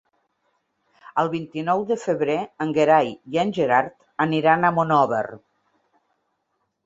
El vint-i-nou de febrer en Gerai i en Gerard aniran a Monòver.